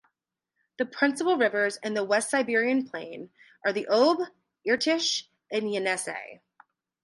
The principal rivers in the West Siberian Plain are the Ob, Irtysh, and Yenisei.